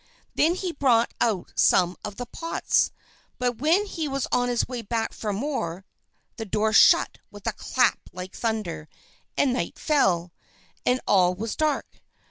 Then he brought out some of the pots; but when he was on his way back for more, the door shut with a clap like thunder, and night fell, and all was dark.